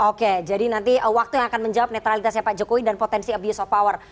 oke jadi nanti waktu yang akan menjawab netralitasnya pak jokowi dan potensi abuse of power